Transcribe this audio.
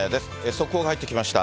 速報が入ってきました。